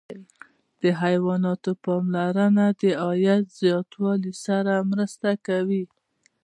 د حیواناتو پاملرنه د عاید زیاتوالي سره مرسته کوي.